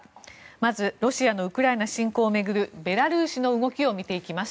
まずロシアのウクライナ侵攻を巡るベラルーシの動きを見ていきます。